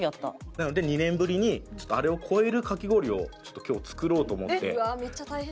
なので２年ぶりにあれを超えるかき氷を今日作ろうと思ってロケをしてきました。